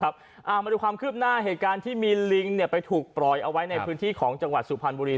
เอามาดูความคืบหน้าเหตุการณ์ที่มีลิงไปถูกปล่อยเอาไว้ในพื้นที่ของจังหวัดสุพรรณบุรี